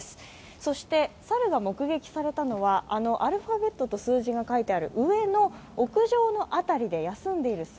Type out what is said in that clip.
そして猿が目撃されたのはあのアルファベットと数字が書いてある上の屋上の辺りで休んでいる姿